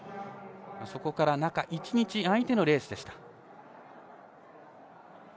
そこから中１日空いてのレースでした。